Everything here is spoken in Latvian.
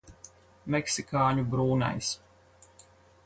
Meksikāņu brūnais.